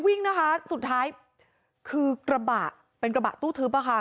วิ่งนะคะสุดท้ายคือกระบะเป็นกระบะตู้ทึบอะค่ะ